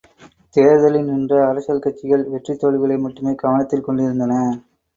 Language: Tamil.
தேர்தலில் நின்ற அரசியற் கட்சிகள் வெற்றி தோல்விகளை மட்டுமே கவனத்தில் கொண்டிருந்தன.